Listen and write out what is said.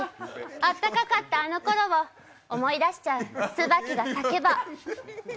あったかかったあのころを思い出しちゃう、椿が咲けば。